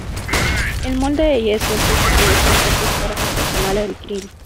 El molde de yeso es el que se usa entonces para confeccionar el grill.